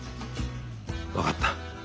分かった。